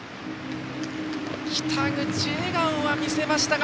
北口、笑顔は見せましたが。